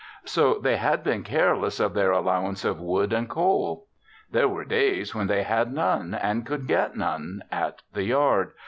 So they had been careless of their allowance of wood and coal. There were days when they had none and could get none at the yard.